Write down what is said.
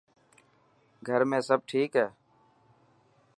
گھر ۾ سڀ ٺيڪ هي؟